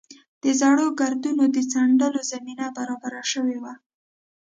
د زړو ګردونو د څنډلو زمینه برابره شوې وه.